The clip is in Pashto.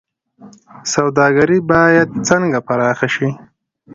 سوداګري باید څنګه پراخه شي؟